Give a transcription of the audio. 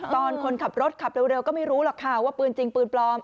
คนขับรถขับเร็วก็ไม่รู้หรอกค่ะว่าปืนจริงปืนปลอม